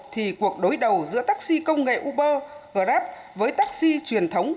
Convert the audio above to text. một mươi một thì cuộc đối đầu giữa taxi công nghệ uber grab với taxi truyền thống